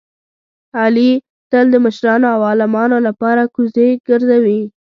علي تل د مشرانو او عالمانو لپاره کوزې ګرځوي.